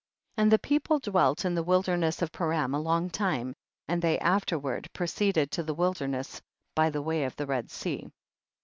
43. And the people dwelt in the wilderness of Param a long time, and they afterward proceeded to the wilderness by the way of the Red Sea.